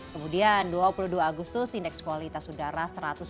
kemudian dua puluh dua agustus indeks kualitas udara satu ratus dua puluh